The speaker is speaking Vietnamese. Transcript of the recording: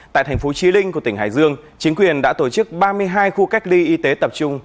tại thành phố trí linh của tỉnh hải dương chính quyền đã tổ chức ba mươi hai khu cách ly y tế tập trung